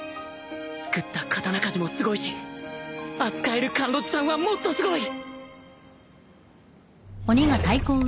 作った刀鍛冶もすごいし扱える甘露寺さんはもっとすごい！